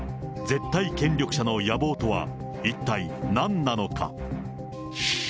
絶対権力者の野望とは一体なんなのか。